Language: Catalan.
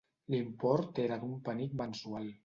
L'import era d'un penic mensual.